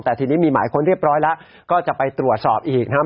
แต่ทีนี้มีหมายค้นเรียบร้อยแล้วก็จะไปตรวจสอบอีกนะครับ